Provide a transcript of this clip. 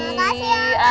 terima kasih ya